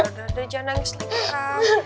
udah udah jangan nangis lika